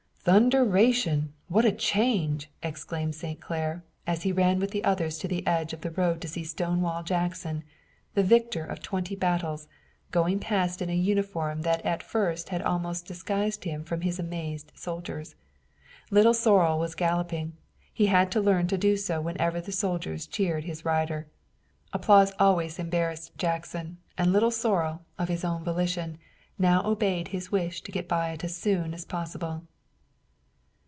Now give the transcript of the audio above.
"Thunderation! What a change!" exclaimed St. Clair, as he ran with the others to the edge of the road to see Stonewall Jackson, the victor of twenty battles, go past in a uniform that at first had almost disguised him from his amazed soldiers. Little Sorrel was galloping. He had learned to do so whenever the soldiers cheered his rider. Applause always embarrassed Jackson, and Little Sorrel, of his own volition, now obeyed his wish to get by it as soon as possible.